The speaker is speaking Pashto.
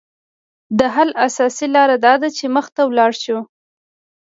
د حل اساسي لاره داده چې مخ ته ولاړ شو